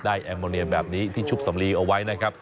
แอมโมเนียแบบนี้ที่ชุบสำลีเอาไว้นะครับ